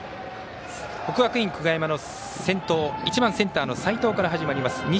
国学院久我山の先頭１番、センターの齋藤から始まります。